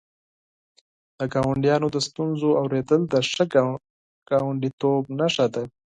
د ګاونډیانو د ستونزو اورېدل د ښه ګاونډیتوب نښه ده.